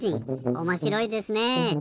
おもしろいですねえ。